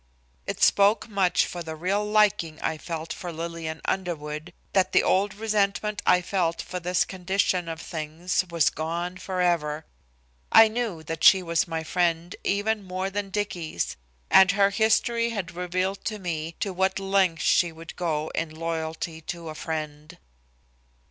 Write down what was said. It spoke much for the real liking I felt for Lillian Underwood that the old resentment I felt for this condition of things was gone forever. I knew that she was my friend even more than Dicky's, and her history had revealed to me to what lengths she would go in loyalty to a friend.